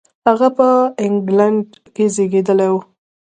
هغه په انګلېنډ کې زېږېدلی و.